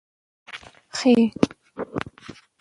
خ